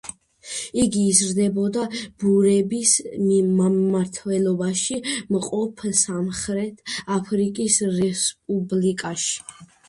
იგი იზრდებოდა ბურების მმართველობაში მყოფ სამხრეთ აფრიკის რესპუბლიკაში.